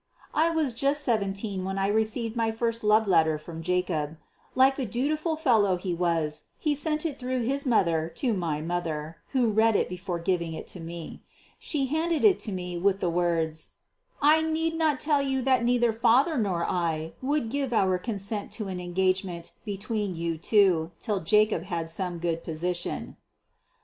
I was just seventeen when I received my first love letter from Jacob. Like the dutiful fellow he was, he sent it through his mother, to my mother, who read it before giving it to me. She handed it to me with the words: "I need not tell you that neither father nor I would ever give our consent to an engagement between you two till Jacob had some good position."